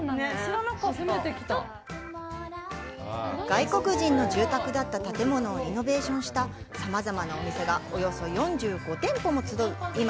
外国人の住宅だった建物をリノベーションしたさまざまなお店がおよそ４５店舗も集う今